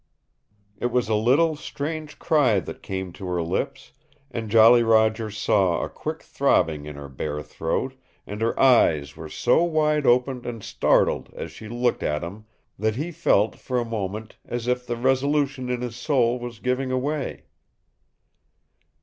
It was a little, strange cry that came to her lips, and Jolly Roger saw a quick throbbing in her bare throat, and her eyes were so wide open and startled as she looked at him that he felt, for a moment, as if the resolution in his soul was giving way.